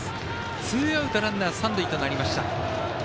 ツーアウト、ランナー、三塁となりました。